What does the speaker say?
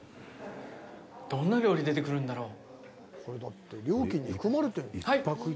どんな料理出てくるんだろう。